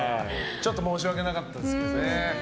ちょっと申し訳なかったですけど。